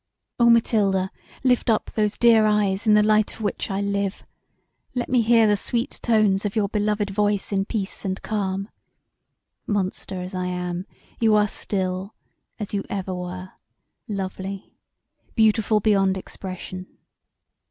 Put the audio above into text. Oh, Mathilda, lift up those dear eyes in the light of which I live. Let me hear the sweet tones of your beloved voice in peace and calm. Monster as I am, you are still, as you ever were, lovely, beautiful beyond expression.